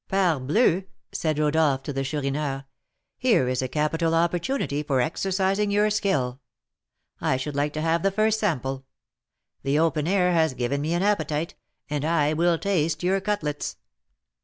"Parbleu!" said Rodolph to the Chourineur; "here is a capital opportunity for exercising your skill. I should like to have the first sample, the open air has given me an appetite, and I will taste your cutlets."